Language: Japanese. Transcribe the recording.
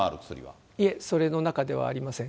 いえ、その中にはありません。